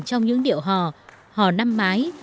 trong những điệu hò hò năm mái